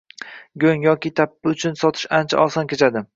go‘ng yoki tappi uchun sotish ancha oson kechadi.